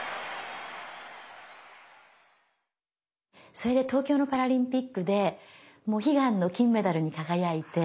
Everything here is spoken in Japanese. それで東京のパラリンピックで悲願の金メダルに輝いて。